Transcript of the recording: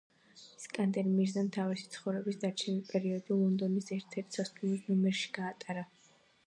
ისკანდერ მირზამ თავისი ცხოვრების დარჩენილი პერიოდი ლონდონის ერთ-ერთი სასტუმროს ნომერში გაატარა.